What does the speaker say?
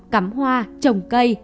cắm hoa trồng cây